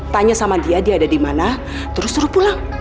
tanya sama dia dia ada dimana terus suruh pulang